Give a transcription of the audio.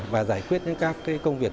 và giải quyết những các công việc